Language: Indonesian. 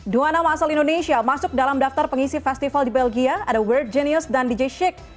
dua nama asal indonesia masuk dalam daftar pengisi festival di belgia ada world genius dan dj shick